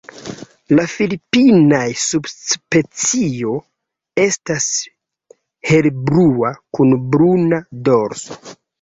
La filipinaj subspecio estas helblua kun bruna dorso.